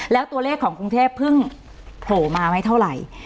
แล้วตัวเลขของกรุงเทพเพิ่งโผล่มาไม่เท่าไหร่